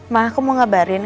ma aku mau ngabarin